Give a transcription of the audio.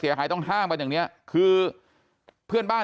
ใช่ค่ะถ่ายรูปส่งให้พี่ดูไหม